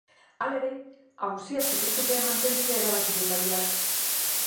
Hala ere, auzia sekretupean mantentzea erabaki du epaileak.